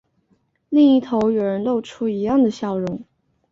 另一头有人露出一样的笑容